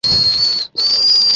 সে ভালো আছে।